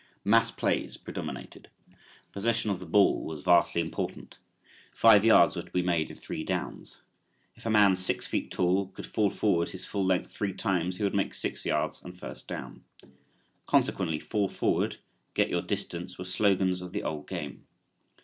Mass plays predominated. Possession of the ball was vastly important. Five yards were to be made in three downs. If a man six feet tall could fall forward his full length three times he would make six yards and first down. Consequently "fall forward," "get your distance," were slogans of the old game.